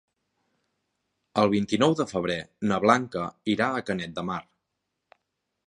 El vint-i-nou de febrer na Blanca irà a Canet de Mar.